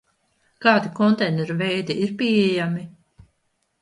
Kādi konteineru veidi ir pieejami?